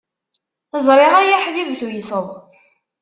Ẓriɣ ay aḥbib tuyseḍ.